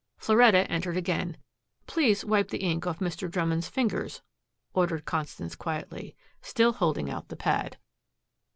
Floretta entered again. "Please wipe the ink off Mr. Drummond's fingers," ordered Constance quietly, still holding out the pad.